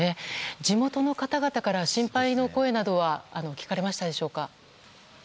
地元の方々から心配の声などは聞かれましたでしょうか？